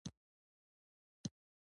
د مازدیګر د لمانځه وخت شو.